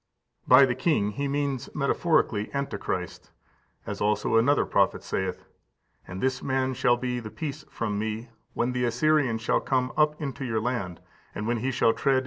viii. 6, 7. By the king he means metaphorically Antichrist, as also another prophet saith: "And this man shall be the peace from me, when the Assyrian shall come up into your land, and when he shall tread in your mountains."